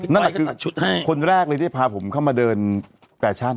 นั่นแหละคือคนแรกเลยที่พาผมเข้ามาเดินแฟชั่น